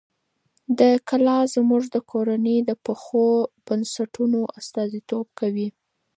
دا کلا زموږ د کورنۍ د پخو بنسټونو استازیتوب کوي.